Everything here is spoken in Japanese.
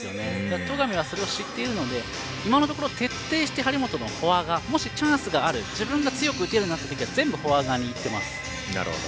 戸上はそれを知っているので今のところ徹底して張本のフォア側もしチャンスがある自分が強く打てる時には全部フォア側に打っています。